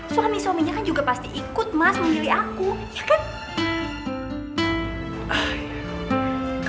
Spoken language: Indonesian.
suami suaminya kan juga pasti ikut mas memilih aku ya kan